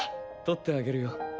撮ってあげるよ